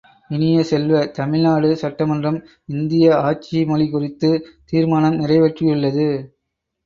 இனிய செல்வ, தமிழ்நாடு சட்டமன்றம் இந்திய ஆட்சி மொழி குறித்துத் தீர்மானம் நிறைவேற்றியுள்ளது.